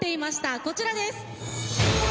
こちらです。